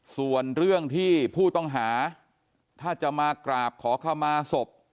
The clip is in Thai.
ส่วนเรื่องที่ผู้ต้องหาถ้าจะมากราบขอเข้ามาศพ